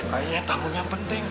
kayaknya tamunya penting